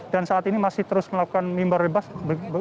dan saat ini masih terus melakukan mimbar lebar